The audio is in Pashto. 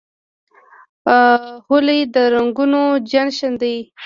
هولي د رنګونو جشن دی.